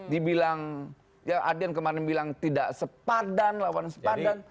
dibilang ya adian kemarin bilang tidak sepadan lawan sepadan